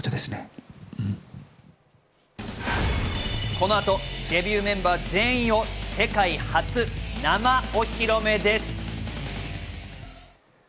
この後、デビューメンバー全員を世界初、生お披露目です。